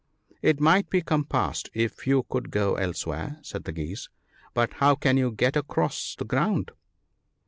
" It might be compassed if you could go elsewhere," said the Geese, "but how can you get across the ground?"